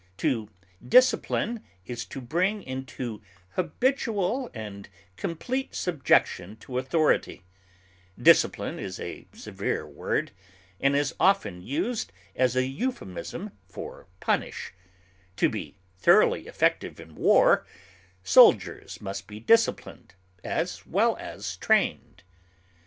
To discipline is to bring into habitual and complete subjection to authority; discipline is a severe word, and is often used as a euphemism for punish; to be thoroughly effective in war, soldiers must be disciplined as well as trained.